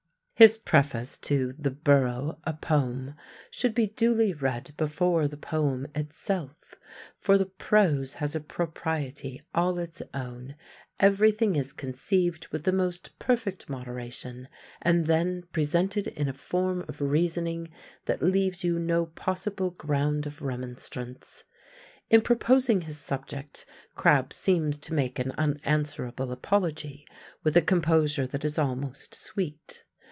His preface to "The Borough, a Poem," should be duly read before the "poem" itself, for the prose has a propriety all its own. Everything is conceived with the most perfect moderation, and then presented in a form of reasoning that leaves you no possible ground of remonstrance. In proposing his subject Crabbe seems to make an unanswerable apology with a composure that is almost sweet.